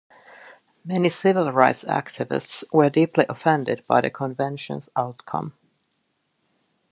Many civil rights activists were deeply offended by the convention's outcome.